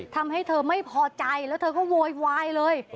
ทำให้เธอไม่พอใจแล้วเธอก็โวยวายเลย